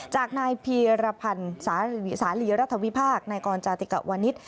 จากนายพีรพันธ์สาลีรัฐวิพากษ์นายกรจาติกะวนิษฐ์